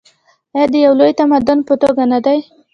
آیا د یو لوی تمدن په توګه نه دی؟